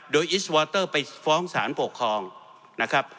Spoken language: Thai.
โดยอิสวอเตอร์ไปฟ้องสารปกครองนะครับ